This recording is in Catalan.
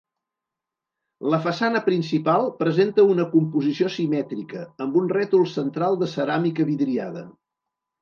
La façana principal presenta una composició simètrica, amb un rètol central de ceràmica vidriada.